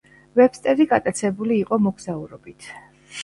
ვებსტერი გატაცებული იყო მოგზაურობით.